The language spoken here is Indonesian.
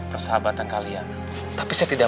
persahabatan kalian tapi saya tidak